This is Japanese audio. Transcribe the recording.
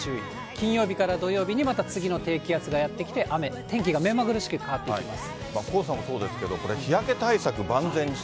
金曜日から土曜日にまた次の低気圧がやって来て雨、天気が目まぐるしく変わっていきます。